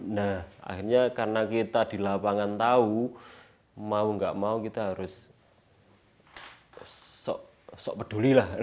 nah akhirnya karena kita di lapangan tahu mau nggak mau kita harus sok peduli lah